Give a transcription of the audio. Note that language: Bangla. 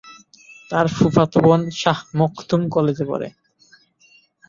তার ফুফাতো বোন শাহ মখদুম কলেজে পড়ে।